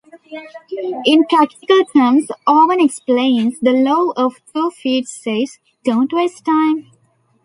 In practical terms, Owen explains, the Law of Two Feet says: Don't waste time!